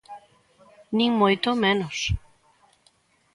Nin moito menos.